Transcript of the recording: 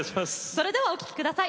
それではお聴き下さい。